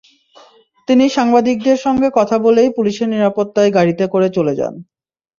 তিনি সাংবাদিকদের সঙ্গে কথা বলেই পুলিশের নিরাপত্তায় গাড়িতে করে চলে যান।